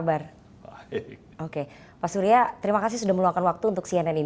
dua mei kemarin presiden jokowi mengumpulkan